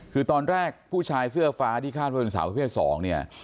คือตอนแรกผู้ชายเสื้อฟ้าที่ฆ่าผู้หญิงสาวเพศ๒เนี่ย